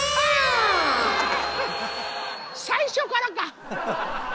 最初からか！